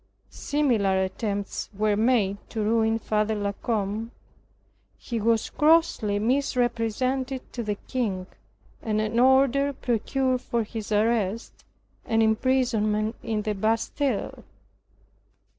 Similar attempts were made to ruin Father La Combe. He was grossly misrepresented to the king, and an order procured for his arrest and imprisonment in the Bastile.